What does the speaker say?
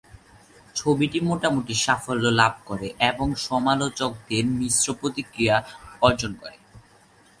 ছবিটি মোটামুটি সাফল্য লাভ করে এবং সমালোচকদের মিশ্র প্রতিক্রিয়া অর্জন করে।